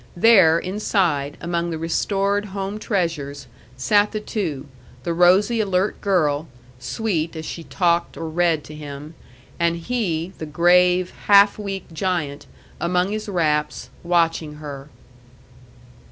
There, inside, among the restored home treasures, sat the two: the rosy alert girl, sweet as she talked or read to him; and he, the grave, half weak giant among his wraps, watching her.